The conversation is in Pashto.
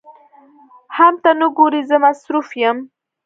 حم ته نه ګورې زه مصروف يم.